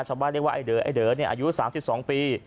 ชาวบ้านเรียกว่าไอเดอไอเดออายุ๓๒ปี